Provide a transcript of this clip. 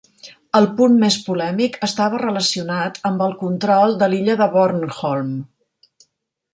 El punt més polèmic estava relacionat amb el control de l'illa de Bornholm.